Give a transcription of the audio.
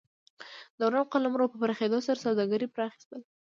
د روم قلمرو په پراخېدو سره سوداګري پراخ شول